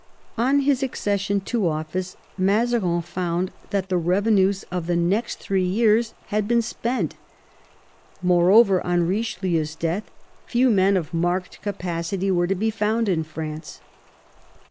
On his accession to office, Mazarin found that the revenues of the next three years had been spent. Moreover, on Eichelieu's death few men of marked capacity were to be found in France.